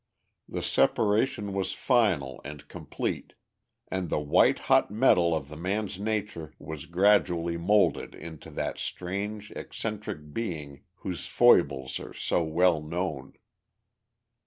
The separation was final and complete, and the white hot metal of the man's nature was gradually moulded into that strange eccentric being whose foibles are so well known.